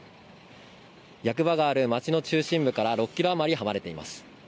役場がある町の中心部から６キロ余り離れています。